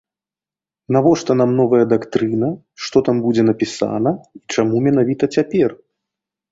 Навошта нам новая дактрына, што там будзе напісана і чаму менавіта цяпер?